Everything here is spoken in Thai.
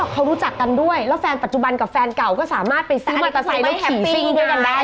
อ๋อเขารู้จักกันด้วยแล้วแฟนปัจจุบันกับแฟนเก่าก็สามารถไปซื้อบรรตไซน์แล้วขี่ซิ่งด้วยกันได้เนี่ย